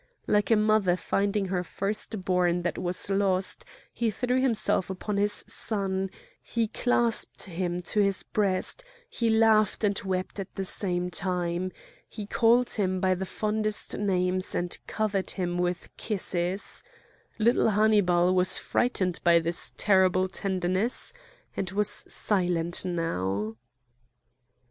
Like a mother finding her first born that was lost, he threw himself upon his son; he clasped him to his breast, he laughed and wept at the same time, he called him by the fondest names and covered him with kisses; little Hannibal was frightened by this terrible tenderness and was silent now.